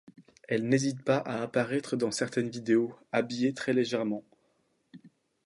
Elle n’hésite pas à apparaître dans certaines vidéos, habillée très légèrement.